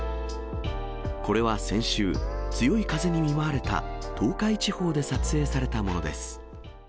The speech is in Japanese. これは先週、強い風に見舞われた東海地方で撮影されたものです。